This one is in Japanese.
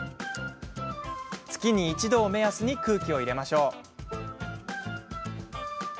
月に一度を目安に空気を入れましょう。